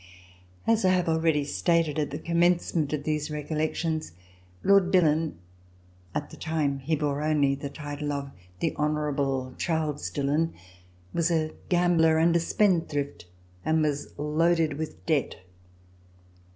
As I have already stated at the commencement of these Recollections, Lord Dillon, at the time that he bore only the title of the Honor able Charles Dillon, was a gambler and a spend thrift and was loaded with debt.